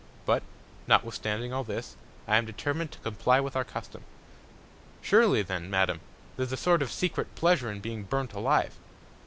But, notwithstanding all this, I am determin'd to comply with our Custom. Surely then, Madam, there's a Sort of secret Pleasure in being burnt alive.